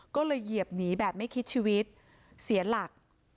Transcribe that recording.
ก็เลยเหยียบหนีแบบไม่คิดชีวิตเสียหลัก